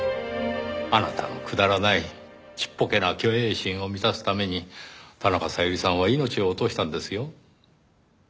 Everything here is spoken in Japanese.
あなたのくだらないちっぽけな虚栄心を満たすために田中小百合さんは命を落としたんですよ。